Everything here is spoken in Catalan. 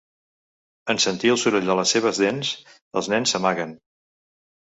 En sentir el soroll de les seves dents, els nens s'amaguen.